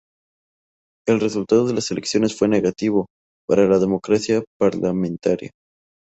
El resultado de las elecciones fue negativo para la democracia parlamentaria.